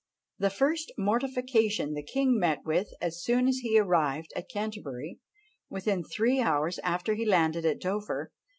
"The first mortification the king met with as soon as he arrived at Canterbury, within three hours after he landed at Dover."